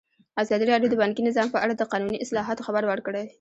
ازادي راډیو د بانکي نظام په اړه د قانوني اصلاحاتو خبر ورکړی.